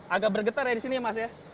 agak bergetar ya di sini ya mas ya